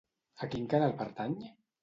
A quin canal pertany?